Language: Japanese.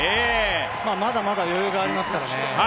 まあ、まだまだ余裕がありますからね。